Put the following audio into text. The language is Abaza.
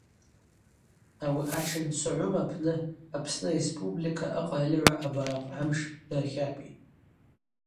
Ауи атшын Согъвым апны Апсны Республика акъральыгӏва абаракъ амш дыртлапӏитӏ.